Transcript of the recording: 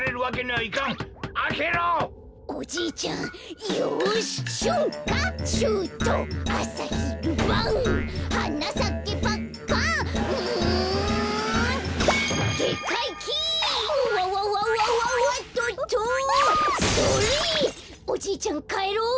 おじいちゃんかえろう。